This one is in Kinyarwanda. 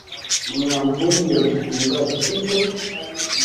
mwanvumbi yagize ibibazo, sibyo?